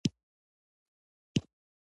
ښه اخلاق ټولنیز ژوند ښایسته کوي.